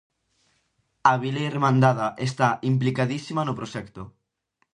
A vila irmandada está implicadísima no proxecto.